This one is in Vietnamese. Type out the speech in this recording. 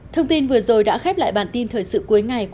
thông tin vừa rồi đã khép lại bản tin thời sự cuối ngày